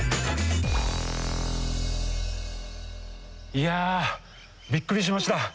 いやあびっくりしました。